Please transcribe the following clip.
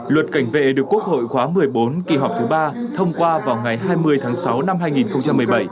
luật cảnh vệ được quốc hội khóa một mươi bốn kỳ họp thứ ba thông qua vào ngày hai mươi tháng sáu năm hai nghìn một mươi bảy